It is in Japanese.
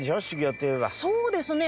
そうですね。